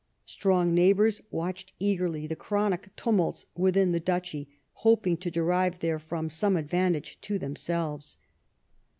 Strong neighbours watched eagerly the chronic tumults within the duchy, hoping to derive therefrom some advantage to themselves.